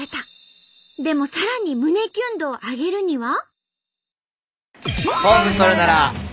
でもさらに胸キュン度を上げるには？